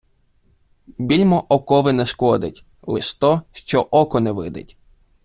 Більмо окови не шкодить, лиш то, що око не видить.